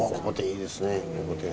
いいですね。